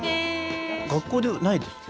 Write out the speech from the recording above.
学校でないですか？